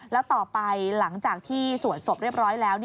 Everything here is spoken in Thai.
แล้วต่อไปหลังจากที่สวดศพเรียบร้อยแล้ว